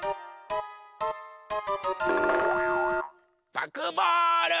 パクボール！